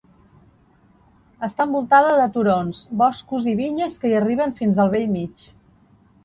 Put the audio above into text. Està envoltada de turons, boscos i vinyes que hi arriben fins al bell mig.